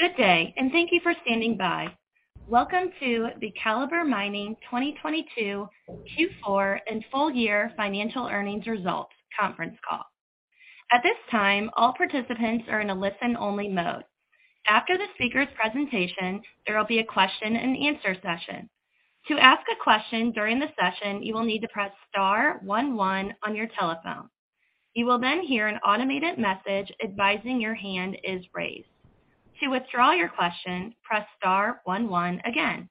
Good day, and thank you for standing by. Welcome to the Calibre Mining 2022 Q4 and Full Year Financial Earnings Results Conference Call. At this time, all participants are in a listen-only mode. After the speaker's presentation, there will be a question-and-answer session. To ask a question during the session, you will need to press star 11 on your telephone. You will then hear an automated message advising your hand is raised. To withdraw your question, press star 11 again.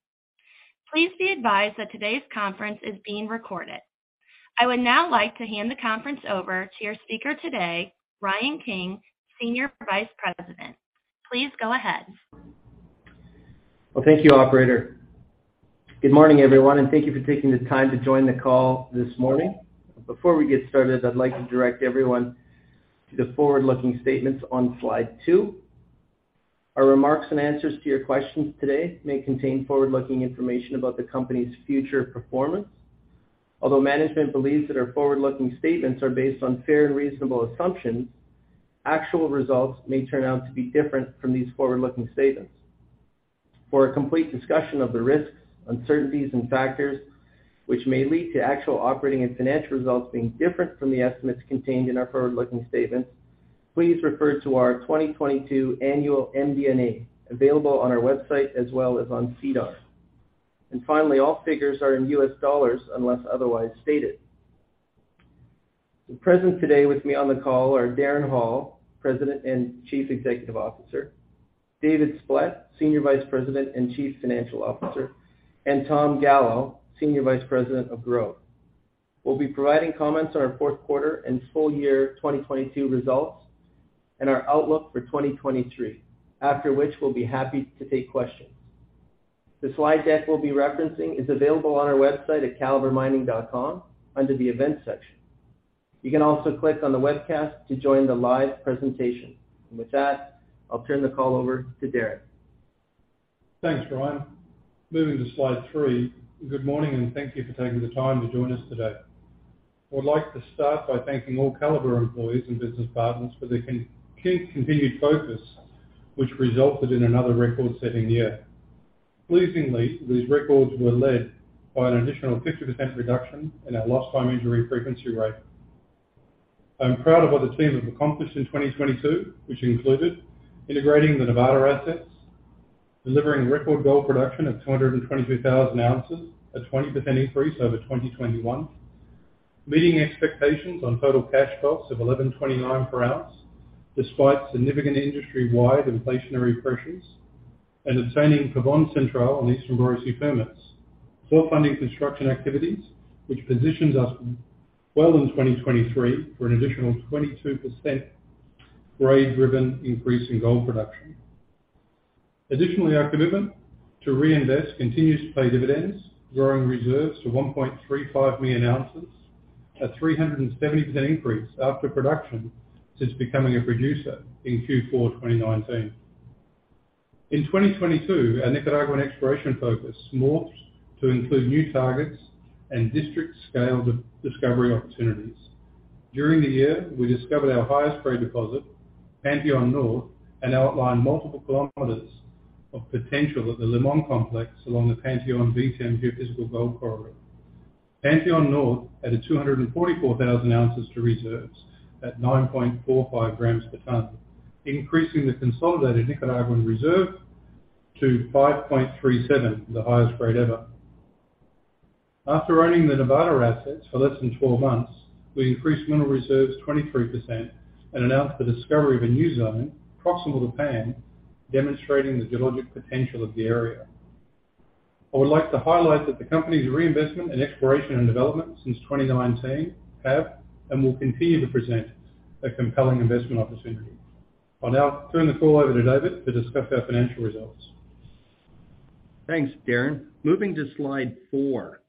Please be advised that today's conference is being recorded. I would now like to hand the conference over to your speaker today, Ryan King, Senior Vice President. Please go ahead. Well, thank you, operator. Good morning, everyone, and thank you for taking the time to join the call this morning. Before we get started, I'd like to direct everyone to the forward-looking statements on slide two. Our remarks and answers to your questions today may contain forward-looking information about the company's future performance. Although management believes that our forward-looking statements are based on fair and reasonable assumptions, actual results may turn out to be different from these forward-looking statements. For a complete discussion of the risks, uncertainties, and factors which may lead to actual operating and financial results being different from the estimates contained in our forward-looking statements, please refer to our 2022 annual MD&A available on our website as well as on SEDAR. Finally, all figures are in US dollars unless otherwise stated. Present today with me on the call are Darren Hall, President and Chief Executive Officer, David Splett, Senior Vice President and Chief Financial Officer, and Tom Gallo, Senior Vice President of Growth. We'll be providing comments on our fourth quarter and full year 2022 results and our outlook for 2023. After which, we'll be happy to take questions. The slide deck we'll be referencing is available on our website at calibremining.com under the Events section. You can also click on the webcast to join the live presentation. With that, I'll turn the call over to Darren. Thanks, Ryan. Moving to slide three. Good morning, and thank you for taking the time to join us today. I would like to start by thanking all Calibre employees and business partners for their continued focus, which resulted in another record-setting year. Pleasingly, these records were led by an additional 50% reduction in our lost time injury frequency rate. I'm proud of what the team have accomplished in 2022, which included integrating the Nevada assets, delivering record gold production of 222,000 oz, a 20% increase over 2021, meeting expectations on total cash costs of $1,129 per ounce despite significant industry-wide inflationary pressures, and obtaining Pavón Central and Eastern Borosi permits, full funding construction activities, which positions us well in 2023 for an additional 22% grade-driven increase in gold production. Our commitment to reinvest continues to pay dividends, growing reserves to 1.35 million ounces, a 370 increase after production since becoming a producer in Q4 2019. In 2022, our Nicaraguan exploration focus morphed to include new targets and district scale discovery opportunities. During the year, we discovered our highest grade deposit, Panteon North, and outlined multiple kilometers of potential at the Limón complex along the Panteon VTEM geophysical gold corridor. Panteon North added 244,000 ounces to reserves at 9.45 g/t, increasing the consolidated Nicaraguan reserve to 5.37, the highest grade ever. After owning the Nevada assets for less than 12 months, we increased mineral reserves 23% and announced the discovery of a new zone proximal to Pan, demonstrating the geologic potential of the area. I would like to highlight that the company's reinvestment in exploration and development since 2019 have and will continue to present a compelling investment opportunity. I'll now turn the call over to David to discuss our financial results. Thanks, Darren. Moving to slide four.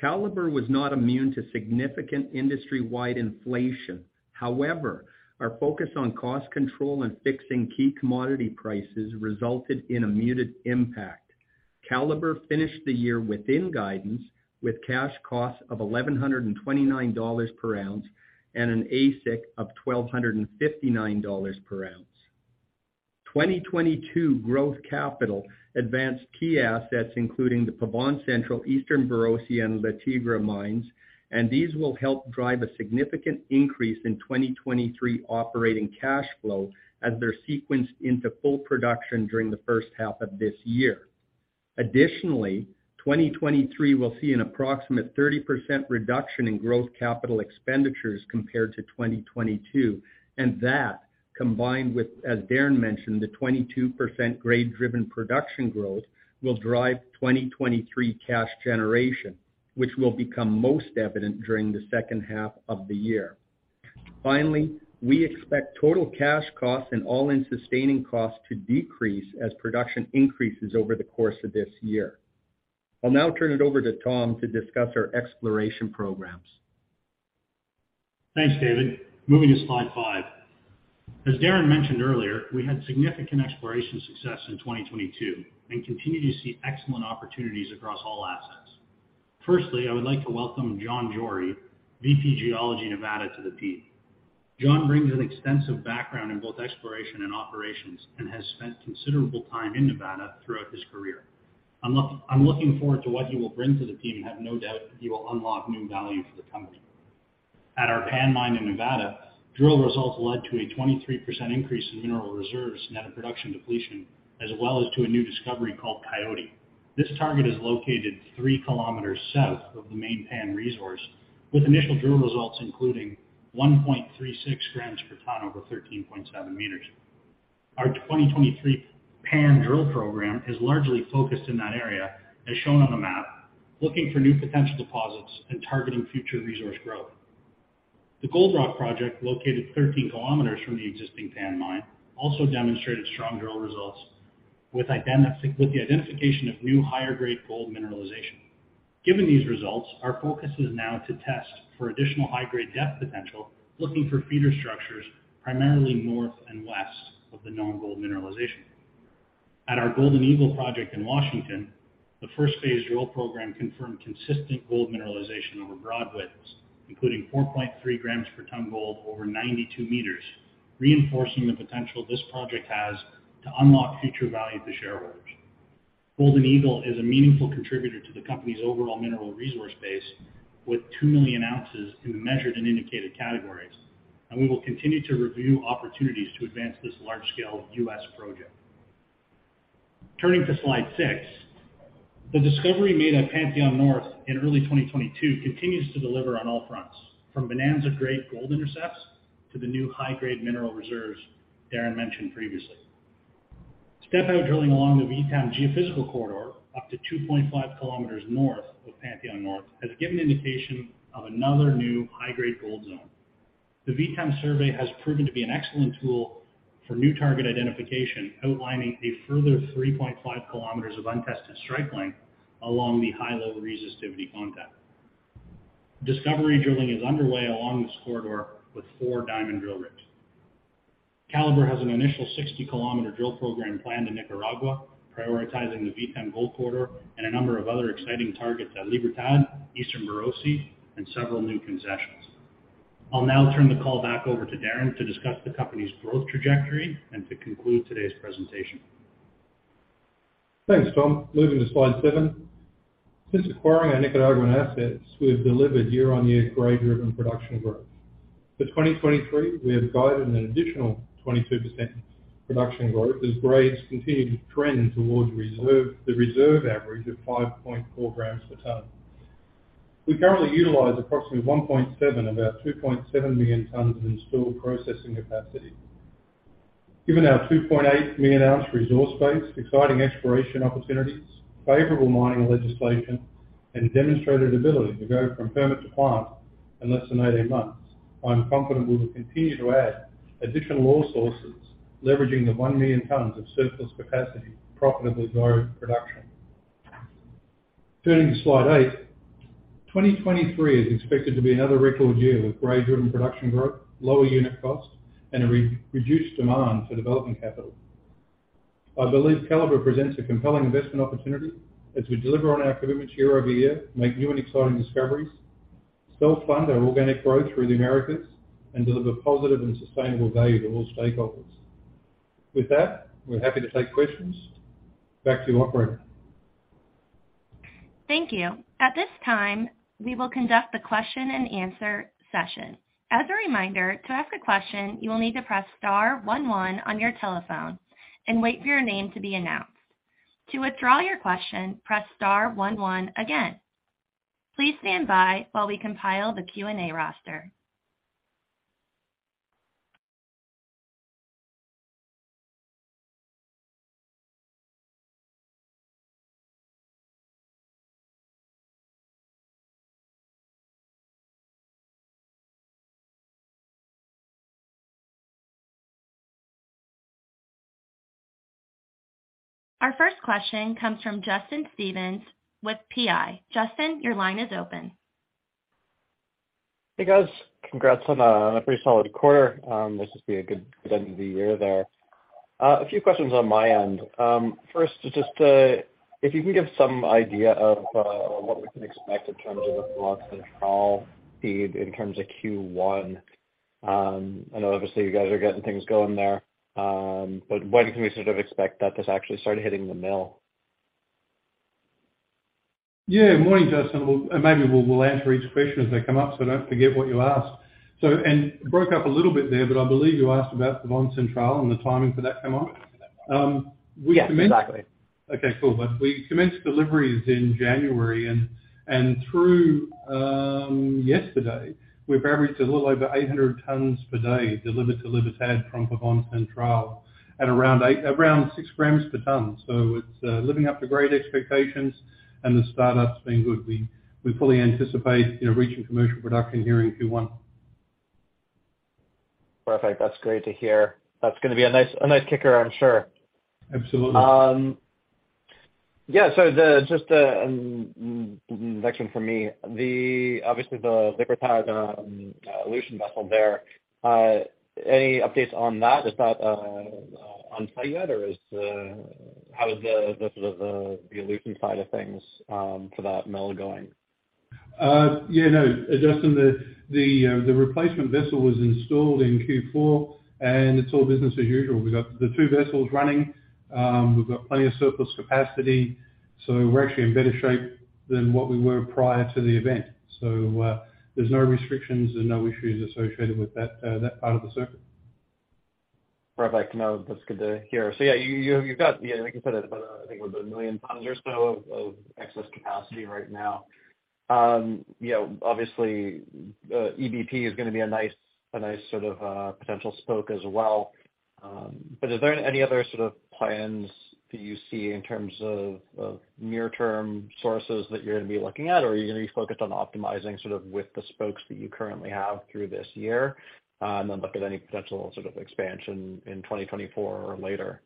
Calibre was not immune to significant industry-wide inflation. Our focus on cost control and fixing key commodity prices resulted in a muted impact. Calibre finished the year within guidance with cash costs of $1,129 per ounce and an AISC of $1,259 per ounce. 2022 growth capital advanced key assets, including the Pavon Central Eastern Borosi and La Tigra mines. These will help drive a significant increase in 2023 operating cash flow as they're sequenced into full production during the first half of this year. Additionally, 2023 will see an approximate 30% reduction in growth capital expenditures compared to 2022, that, combined with, as Darren mentioned, the 22% grade-driven production growth, will drive 2023 cash generation, which will become most evident during the second half of the year. Finally, we expect total cash costs and all-in sustaining costs to decrease as production increases over the course of this year. I'll now turn it over to Tom to discuss our exploration programs. Thanks, David. Moving to slide five. As Darren mentioned earlier, we had significant exploration success in 2022 and continue to see excellent opportunities across all assets. Firstly, I would like to welcome John Jory, VP Geology Nevada, to the team. John brings an extensive background in both exploration and operations and has spent considerable time in Nevada throughout his career. I'm looking forward to what he will bring to the team and have no doubt that he will unlock new value for the company. At our Pan mine in Nevada, drill results led to a 23% increase in mineral reserves net of production depletion, as well as to a new discovery called Coyote. This target is located 3 kilometers south of the main Pan resource, with initial drill results including 1.36 g/t over 13.7 m. Our 2023 Pan drill program is largely focused in that area, as shown on the map, looking for new potential deposits and targeting future resource growth. The Gold Rock project, located 13 km from the existing Pan mine, also demonstrated strong drill results with the identification of new higher grade gold mineralization. Given these results, our focus is now to test for additional high grade depth potential, looking for feeder structures primarily north and west of the known gold mineralization. At our Golden Eagle project in Washington, the first phase drill program confirmed consistent gold mineralization over broad widths, including 4.3 g/t gold over 92 m, reinforcing the potential this project has to unlock future value to shareholders. Golden Eagle is a meaningful contributor to the company's overall mineral resource base with 2 million ounces in measured and indicated categories, and we will continue to review opportunities to advance this large scale U.S. project. Turning to slide six. The discovery made at Panteon North in early 2022 continues to deliver on all fronts, from bonanza-grade gold intercepts to the new high-grade mineral reserves Darren mentioned previously. Step out drilling along the VTEM geophysical corridor up to 2.5 km north of Panteon North has given indication of another new high-grade gold zone. The VTEM survey has proven to be an excellent tool for new target identification, outlining a further 3.5 km of untested strike length along the high level resistivity contact. Discovery drilling is underway along this corridor with four diamond drill rigs. Calibre has an initial 60 km drill program planned in Nicaragua, prioritizing the VTEM gold corridor and a number of other exciting targets at Libertad, Eastern Borosi, and several new concessions. I'll now turn the call back over to Darren to discuss the company's growth trajectory and to conclude today's presentation. Thanks, Tom. Moving to slide seven. Since acquiring our Nicaraguan assets, we've delivered year-on-year grade driven production growth. For 2023, we have guided an additional 22% production growth as grades continue to trend towards reserve, the reserve average of 5.4 g/t. We currently utilize approximately 1.7 of our 2.7 million tonnes of installed processing capacity. Given our 2.8 million ounce resource base, exciting exploration opportunities, favorable mining legislation, and demonstrated ability to go from permit to plant in less than 18 months, I'm confident we'll continue to add additional ore sources leveraging the 1 million tonnes of surplus capacity to profitably grow production. Turning to slide 8. 2023 is expected to be another record year with grade driven production growth, lower unit cost, and a re-reduced demand for developing capital. I believe Calibre presents a compelling investment opportunity as we deliver on our commitments year-over-year, make new and exciting discoveries, self-fund our organic growth through the Americas, and deliver positive and sustainable value to all stakeholders. With that, we're happy to take questions. Back to you, operator. Thank you. At this time, we will conduct the question-and-answer session. As a reminder, to ask a question, you will need to press star one one on your telephone and wait for your name to be announced. To withdraw your question, press star one one again. Please stand by while we compile the Q&A roster. Our first question comes from Justin Stevens with PI. Justin, your line is open. Hey, guys. Congrats on a pretty solid quarter. This has been a good end of the year there. A few questions on my end. First, just if you can give some idea of what we can expect in terms of the Pavón Central feed in terms of Q1. I know obviously you guys are getting things going there, but when can we sort of expect that this actually started hitting the mill? Yeah. Morning, Justin. Maybe we'll answer each question as they come up, so I don't forget what you asked. It broke up a little bit there, but I believe you asked about the Pavon Central and the timing for that come on. Yes, exactly. Okay, cool. We commenced deliveries in January and through yesterday, we've averaged a little over 800 tons per day delivered to Libertad from Pavón Central at around 6 grams per ton. It's living up to great expectations and the startup's been good. We fully anticipate, you know, reaching commercial production here in Q1. Perfect. That's great to hear. That's gonna be a nice, a nice kicker, I'm sure. Absolutely. Yeah. Just next one for me. Obviously the Libertad leached vessel there, any updates on that? Is that On target, or is how is the sort of the elution side of things for that mill going? Yeah, no, Justin, the replacement vessel was installed in Q4. It's all business as usual. We've got the two vessels running. We've got plenty of surplus capacity. We're actually in better shape than what we were prior to the event. There's no restrictions and no issues associated with that part of the circuit. Perfect. No, that's good to hear. Yeah, you've got, yeah, like you said, about, I think about 1 million tons or so of excess capacity right now. You know, obviously, EBP is gonna be a nice, a nice sort of potential spoke as well. Is there any other sort of plans that you see in terms of near-term sources that you're gonna be looking at? Or are you gonna be focused on optimizing sort of with the spokes that you currently have through this year, and then look at any potential sort of expansion in 2024 or later?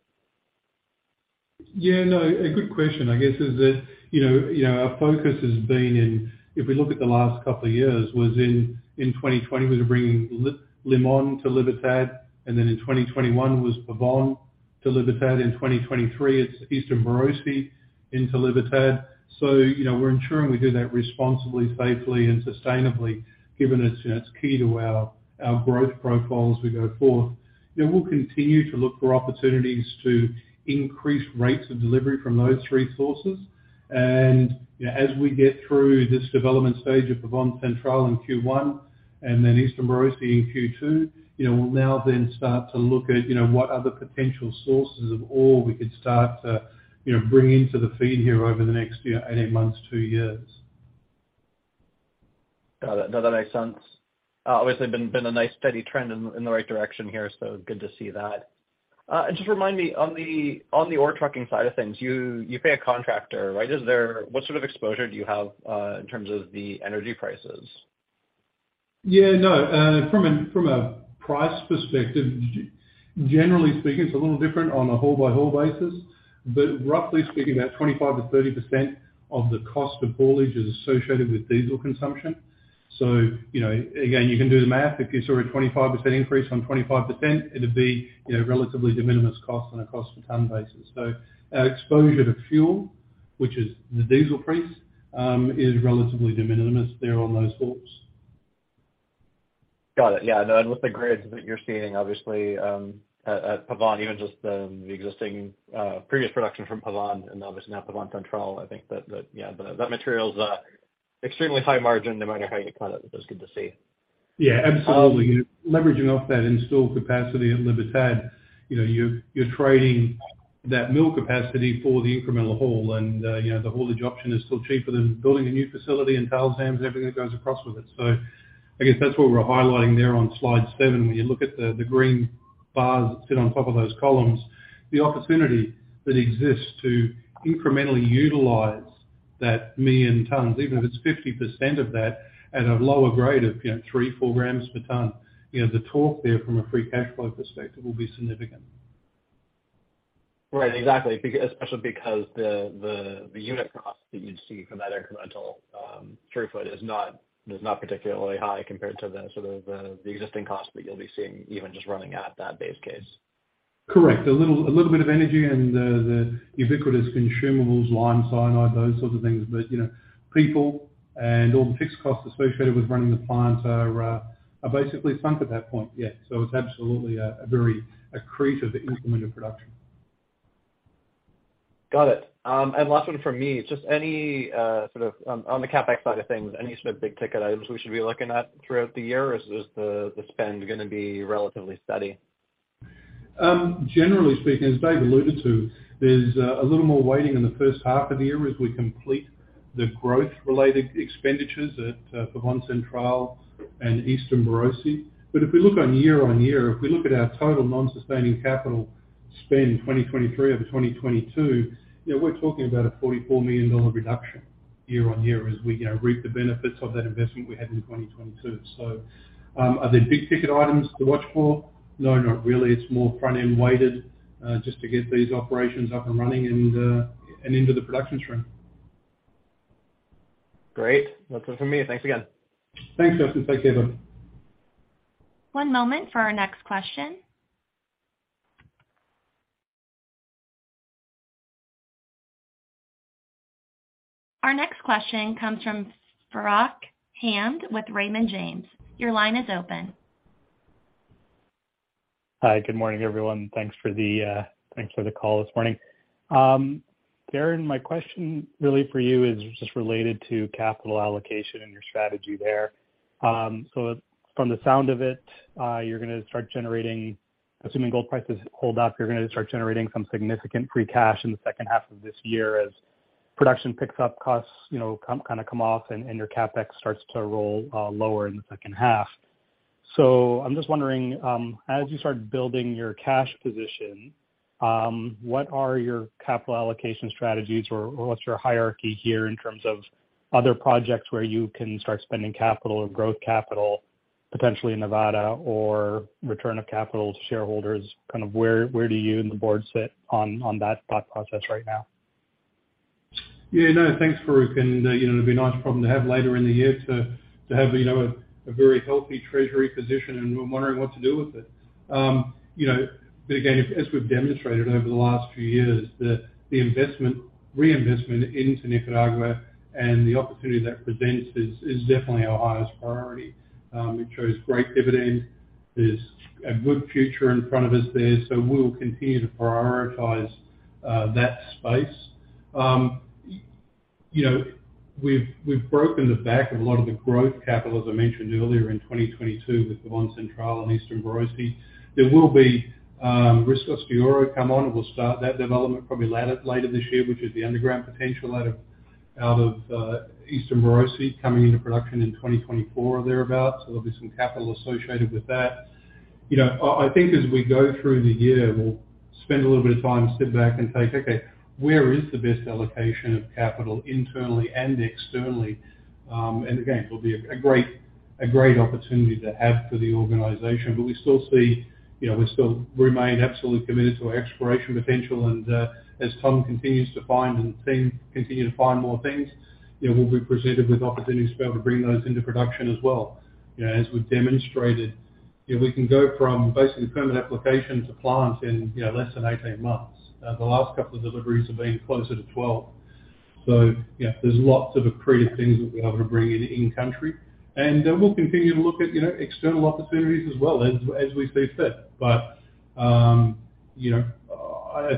Yeah, no, a good question, I guess, is that, you know, you know, our focus has been in, if we look at the last couple of years, was in 2020, we were bringing Limón to Libertad, and then in 2021 was Pavon to Libertad. In 2023, it's Eastern Borosi into Libertad. You know, we're ensuring we do that responsibly, safely, and sustainably, given it's, you know, it's key to our growth profile as we go forth. You know, we'll continue to look for opportunities to increase rates of delivery from those three sources. You know, as we get through this development stage of Pavon Central in Q1, and then Eastern Borosi in Q2, you know, we'll now then start to look at, you know, what other potential sources of ore we could start to, you know, bring into the feed here over the next, you know, 18 months to 2 years. Got it. No, that makes sense. Obviously been a nice steady trend in the right direction here, so good to see that. Just remind me, on the, on the ore trucking side of things, you pay a contractor, right? What sort of exposure do you have in terms of the energy prices? Yeah, no, from a price perspective, generally speaking, it's a little different on a hole-by-hole basis. Roughly speaking, about 25%-30% of the cost of haulage is associated with diesel consumption. You know, again, you can do the math. If you saw a 25% increase on 25%, it'd be, you know, relatively de minimis cost on a cost per ton basis. Our exposure to fuel, which is the diesel price, is relatively de minimis there on those hauls. Got it. Yeah. With the grades that you're seeing, obviously, at Pavon, even just, the existing, previous production from Pavon, and obviously now Pavon Central, I think that material's extremely high margin, no matter how you cut it. That's good to see. Yeah, absolutely. Um- You know, leveraging off that in-store capacity at Libertad, you know, you're trading that mill capacity for the incremental haul. You know, the haulage option is still cheaper than building a new facility in Talsham and everything that goes across with it. I guess that's what we're highlighting there on slide seven. When you look at the green bars that sit on top of those columns, the opportunity that exists to incrementally utilize that million tons, even if it's 50% of that at a lower grade of, you know, 3, 4 grams per ton, you know, the torque there from a free cash flow perspective will be significant. Right. Exactly. especially because the unit cost that you'd see from that incremental throughput is not particularly high compared to the sort of the existing cost that you'll be seeing even just running at that base case. Correct. A little bit of energy and the ubiquitous consumables, lime, cyanide, those sorts of things. You know, people and all the fixed costs associated with running the plant are basically sunk at that point, yeah. It's absolutely a very accretive increment of production. Got it. Last one from me. Just any, sort of, on the CapEx side of things, any sort of big-ticket items we should be looking at throughout the year? Or is the spend gonna be relatively steady? Generally speaking, as Dave alluded to, there's a little more weighting in the first half of the year as we complete the growth-related expenditures at Pavon Central and Eastern Borosi. If we look on year-on-year, if we look at our total non-sustaining capital spend, 2023 over 2022, you know, we're talking about a $44 million reduction year-on-year as we, you know, reap the benefits of that investment we had in 2022. Are there big-ticket items to watch for? No, not really. It's more front-end weighted, just to get these operations up and running and into the production stream. Great. That's it from me. Thanks again. Thanks, Justin. Thanks, David. One moment for our next question. Our next question comes from Farooq Hamed with Raymond James. Your line is open. Hi. Good morning, everyone. Thanks for the, thanks for the call this morning. Darren, my question really for you is just related to capital allocation and your strategy there. From the sound of it, you're gonna start generating, assuming gold prices hold up, you're gonna start generating some significant free cash in the second half of this year as production picks up costs, you know, kind of come off and your CapEx starts to roll lower in the second half. I'm just wondering, as you start building your cash position, what are your capital allocation strategies or what's your hierarchy here in terms of other projects where you can start spending capital or growth capital, potentially in Nevada or return of capital to shareholders? Kind of where do you and the board sit on that thought process right now? Yeah. No, thanks, Farooq. You know, it'll be a nice problem to have later in the year to have, you know, a very healthy treasury position, and we're wondering what to do with it. Again, as we've demonstrated over the last few years, the reinvestment into Nicaragua and the opportunity that presents is definitely our highest priority. It shows great dividend. There's a good future in front of us there, so we'll continue to prioritize, that space. We've, we've broken the back of a lot of the growth capital, as I mentioned earlier, in 2022 with the Pavon Central and Eastern Borosi. There will be, Riscos de Oro come on. We'll start that development probably later this year, which is the underground potential out of Eastern Borosi coming into production in 2024 or thereabout. There'll be some capital associated with that. You know, I think as we go through the year, we'll spend a little bit of time, sit back and say, "Okay, where is the best allocation of capital internally and externally?" Again, it'll be a great opportunity to have for the organization. We still see, you know, we still remain absolutely committed to our exploration potential. As Tom continues to find and things, continue to find more things, you know, we'll be presented with opportunities to be able to bring those into production as well. You know, as we've demonstrated, you know, we can go from basically permit application to plant in, you know, less than 18 months. The last couple of deliveries have been closer to 12. There's lots of accretive things that we're able to bring in country. We'll continue to look at, you know, external opportunities as well, as we see fit. I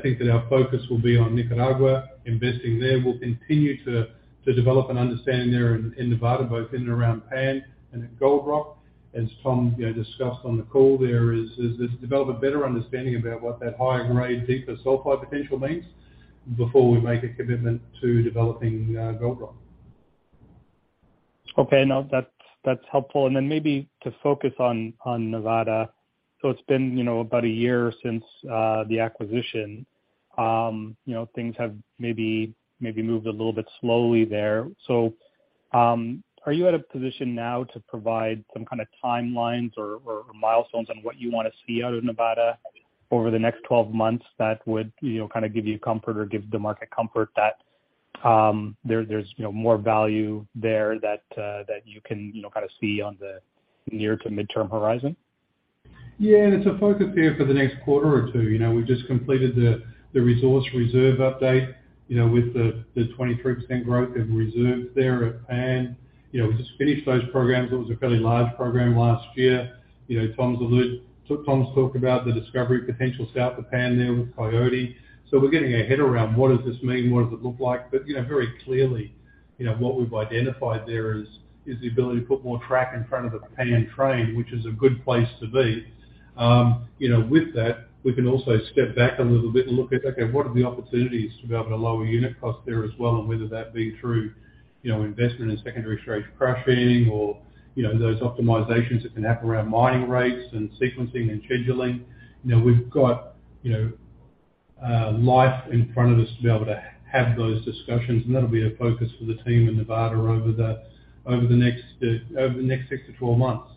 think that our focus will be on Nicaragua, investing there. We'll continue to develop an understanding there in Nevada, both in and around Pan and in Gold Rock. As Tom, you know, discussed on the call, there is to develop a better understanding about what that high grade deeper sulfide potential means before we make a commitment to developing Gold Rock. Okay. No, that's helpful. Then maybe to focus on Nevada. It's been, you know, about a year since the acquisition. You know, things have maybe moved a little bit slowly there. Are you at a position now to provide some kind of timelines or milestones on what you wanna see out of Nevada over the next 12 months that would, you know, kinda give you comfort or give the market comfort that there's, you know, more value there that you can, you know, kinda see on the near to midterm horizon? Yeah. It's a focus there for the next quarter or two. You know, we've just completed the resource reserve update, you know, with the 23% growth in reserves there at Pan. You know, we just finished those programs. It was a fairly large program last year. You know, Tom's talked about the discovery potential south of Pan there with Coyote. We're getting our head around what does this mean, what does it look like. You know, very clearly, you know, what we've identified there is the ability to put more track in front of a Pan train, which is a good place to be. You know, with that, we can also step back a little bit and look at, okay, what are the opportunities to be able to lower unit cost there as well, and whether that be through, you know, investment in secondary storage crushing or, you know, those optimizations that can happen around mining rates and sequencing and scheduling. You know, we've got, you know, life in front of us to be able to have those discussions, and that'll be a focus for the team in Nevada over the next 6 to 12 months.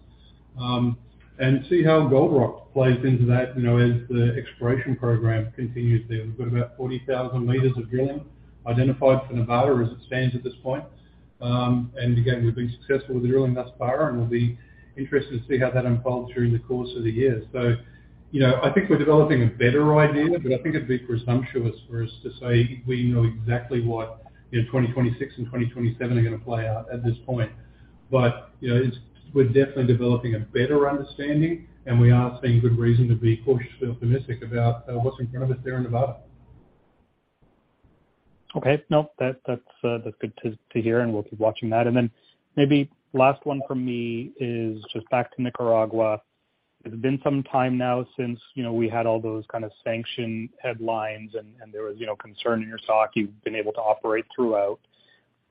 See how Gold Rock plays into that, you know, as the exploration program continues there. We've got about 40,000 meters of drilling identified for Nevada as it stands at this point. Again, we've been successful with the drilling thus far, and we'll be interested to see how that unfolds during the course of the year. You know, I think we're developing a better idea, but I think it'd be presumptuous for us to say we know exactly what, you know, 2026 and 2027 are gonna play out at this point. You know, we're definitely developing a better understanding, and we are seeing good reason to be cautiously optimistic about what's in front of us there in Nevada. No, that's good to hear, and we'll keep watching that. Maybe last one from me is just back to Nicaragua. It's been some time now since, you know, we had all those kind of sanction headlines and there was, you know, concern in your stock. You've been able to operate throughout.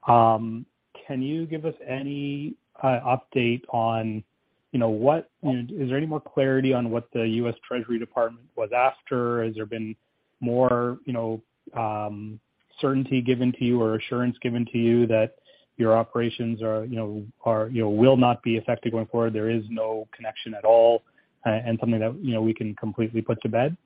Can you give us any update on, you know, Is there any more clarity on what the US Treasury Department was after? Has there been more, you know, certainty given to you or assurance given to you that your operations are, you know, will not be affected going forward, there is no connection at all, and something that, you know, we can completely put to bed?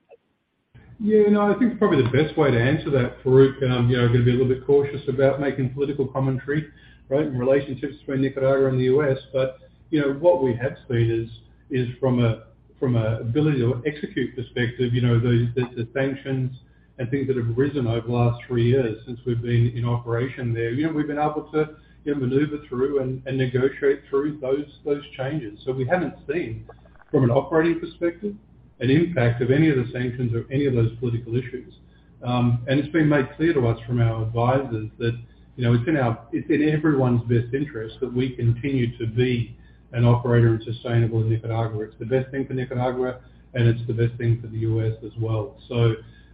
No, I think probably the best way to answer that, Farooq, and, you know, I'm gonna be a little bit cautious about making political commentary, right, and relationships between Nicaragua and the U.S., but, you know, what we have seen is from a ability to execute perspective, you know, the sanctions and things that have risen over the last three years since we've been in operation there, you know, we've been able to, you know, maneuver through and negotiate through those changes. We haven't seen, from an operating perspective, an impact of any of the sanctions or any of those political issues. It's been made clear to us from our advisors that, you know, it's in everyone's best interest that we continue to be an operator and sustainable in Nicaragua. It's the best thing for Nicaragua, and it's the best thing for the U.S. as well.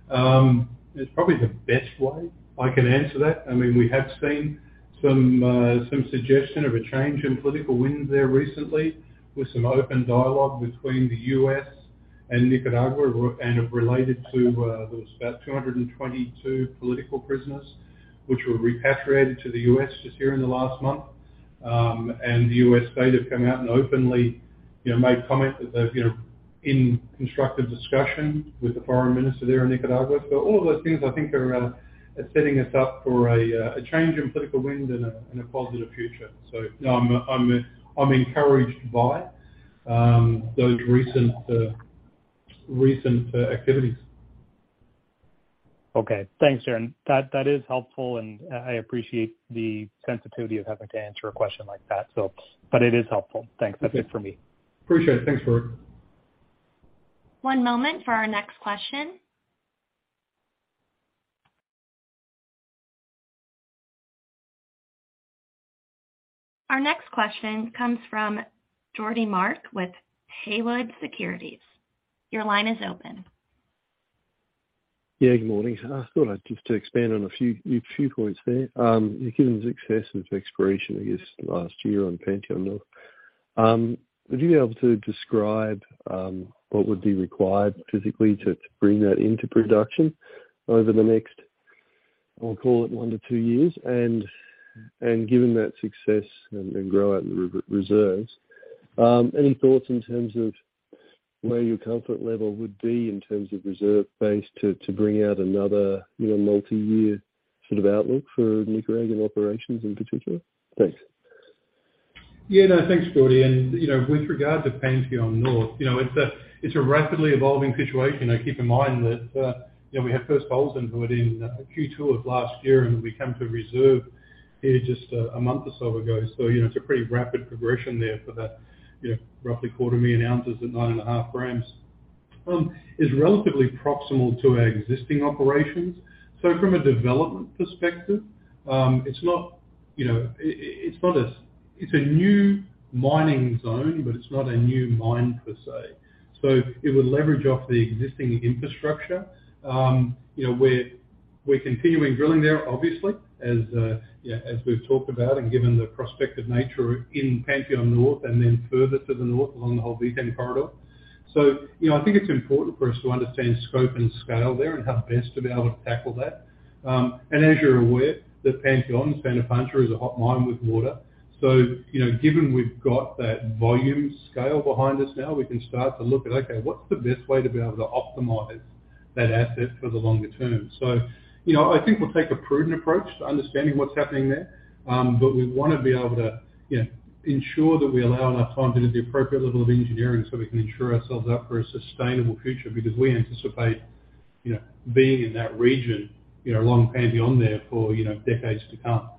It's probably the best way I can answer that. I mean, we have seen some suggestion of a change in political winds there recently with some open dialogue between the U.S. and Nicaragua and related to, there was about 222 political prisoners, which were repatriated to the U.S. just here in the last month. The U.S. State have come out and openly, you know, made comment that they're, you know, in constructive discussion with the foreign minister there in Nicaragua. All of those things, I think are setting us up for a change in political wind and a positive future. No, I'm, I'm encouraged by those recent activities. Okay. Thanks, Darren. That is helpful, and I appreciate the sensitivity of having to answer a question like that. So... It is helpful. Thanks. That's it for me. Appreciate it. Thanks, Farooq. One moment for our next question. Our next question comes from Geordie Mark with Haywood Securities. Your line is open. Yeah, good morning. I thought I'd just to expand on a few points there. Given the success of exploration, I guess, last year on Panteon North, would you be able to describe what would be required physically to bring that into production over the next, I'll call it 1-2 years? Given that success and grow out the re-reserves, any thoughts in terms of where your comfort level would be in terms of reserve base to bring out another, you know, multi-year sort of outlook for Nicaraguan operations in particular? Thanks. Yeah, no, thanks, Geordie. You know, with regard to Panteon North, you know, it's a rapidly evolving situation. You know, keep in mind that, you know, we have first holes in hood in Q2 of last year, and we come to reserve here just a month or so ago. You know, it's a pretty rapid progression there for that, you know, roughly quarter million ounces at 9.5 grams. It's relatively proximal to our existing operations. From a development perspective, it's not, you know, it's a new mining zone, but it's not a new mine per se. It would leverage off the existing infrastructure. You know, we're continuing drilling there, obviously, as we've talked about, and given the prospective nature in Panteon North and then further to the north along the whole VTEM corridor. You know, I think it's important for us to understand scope and scale there and how best to be able to tackle that. And as you're aware that Panteon, Espinadero, is a hot mine with water. You know, given we've got that volume scale behind us now, we can start to look at, okay, what's the best way to be able to optimize that asset for the longer term? You know, I think we'll take a prudent approach to understanding what's happening there. We wanna be able to, you know, ensure that we allow enough time to do the appropriate level of engineering so we can ensure ourselves up for a sustainable future. We anticipate, you know, being in that region, you know, along Panteon there for, you know, decades to come.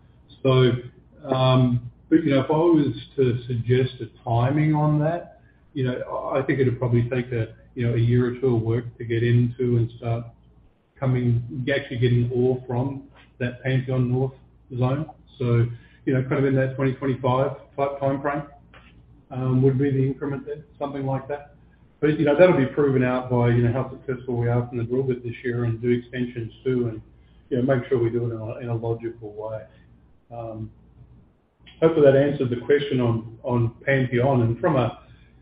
You know, if I was to suggest a timing on that, you know, I think it'll probably take a, you know, one or two years of work to get into and start actually getting ore from that Panteon North zone. You know, kind of in that 2025 type timeframe, would be the increment there, something like that. You know, that'll be proven out by, you know, how successful we are from the drill bit this year and do extensions too and, you know, make sure we do it in a, in a logical way. Hopefully, that answers the question on Panteon.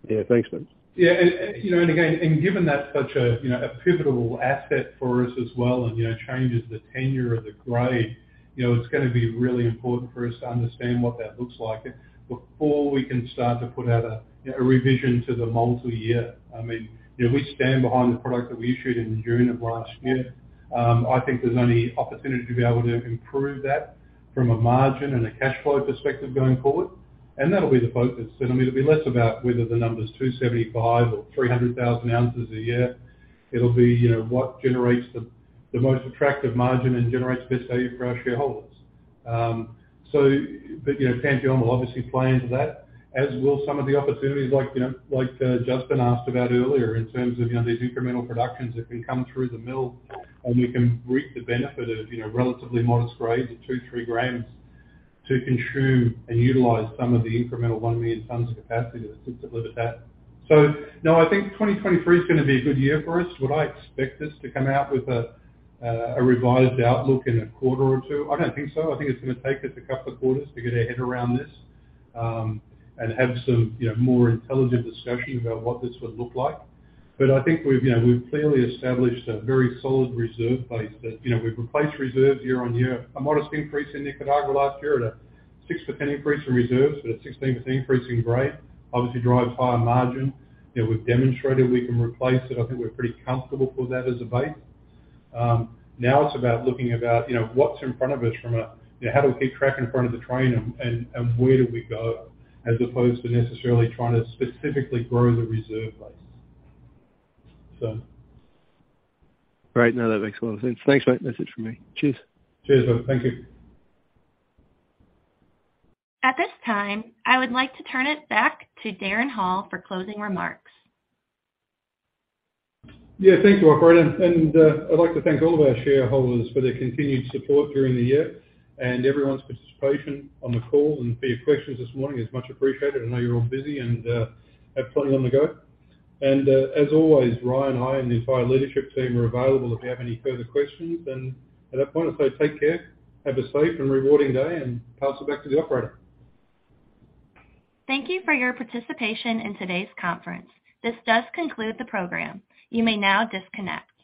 Yeah, thanks, mate. You know, and again, and given that's such a, you know, a pivotal asset for us as well and, you know, changes the tenure of the grade, you know, it's gonna be really important for us to understand what that looks like before we can start to put out a, you know, a revision to the multi-year. I mean, you know, we stand behind the product that we issued in June of last year. I think there's only opportunity to be able to improve that from a margin and a cash flow perspective going forward, and that'll be the focus. I mean, it'll be less about whether the number's 275 or 300,000 ounces a year. It'll be, you know, what generates the most attractive margin and generates the best value for our shareholders. You know, Panteon will obviously play into that, as will some of the opportunities like, you know, like Justin asked about earlier in terms of, you know, these incremental productions that can come through the mill, and we can reap the benefit of, you know, relatively modest grades at two, three grams to consume and utilize some of the incremental 1 million tons of capacity that sits at Libertad. No, I think 2023 is gonna be a good year for us. Would I expect us to come out with a revised outlook in a quarter or two? I don't think so. I think it's gonna take us a couple of quarters to get our head around this, and have some, you know, more intelligent discussion about what this would look like. I think we've, you know, we've clearly established a very solid reserve base that, you know, we've replaced reserves year-on-year. A modest increase in Nicaragua last year at a 6% increase in reserves, but a 16% increase in grade, obviously drives higher margin. You know, we've demonstrated we can replace it. I think we're pretty comfortable with that as a base. Now it's about looking about, you know, what's in front of us from a, you know, how do we keep track in front of the train and where do we go, as opposed to necessarily trying to specifically grow the reserve base. Great. No, that makes a lot of sense. Thanks, mate. That's it for me. Cheers. Cheers. Thank you. At this time, I would like to turn it back to Darren Hall for closing remarks. Thank you, operator. I'd like to thank all of our shareholders for their continued support during the year and everyone's participation on the call. For your questions this morning, it's much appreciated. I know you're all busy and have plenty on the go. As always, Ryan, I, and the entire leadership team are available if you have any further questions. At that point, I say take care, have a safe and rewarding day, and pass it back to the operator. Thank you for your participation in today's conference. This does conclude the program. You may now disconnect.